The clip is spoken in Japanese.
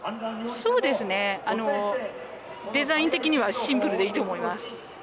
そうですねあのデザイン的にはシンプルでいいと思います